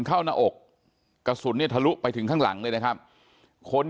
หน้าอกกระสุนเนี่ยทะลุไปถึงข้างหลังเลยนะครับคน